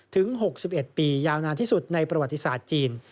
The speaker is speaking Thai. ถึง๖๑ปียาวนานที่สุดในประวัติศาสตร์จีน